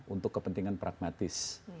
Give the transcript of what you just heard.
untuk kepentingan pragmatis